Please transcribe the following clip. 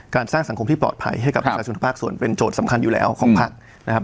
สร้างสังคมที่ปลอดภัยให้กับประชาชนทุกภาคส่วนเป็นโจทย์สำคัญอยู่แล้วของพักนะครับ